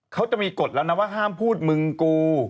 เขาจะมีกฎแล้วนะว่าห้ามพูดมึงกู